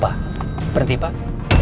pak berhenti pak